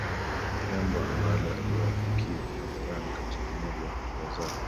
Jambo ambalo aliwahi kukiri hadharani katika moja ya hotuba zake